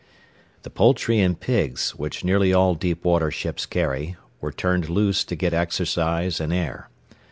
The poultry and pigs, which nearly all deep water ships carry, were turned loose to get exercise and air.